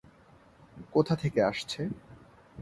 কোথা থেকে আসছে?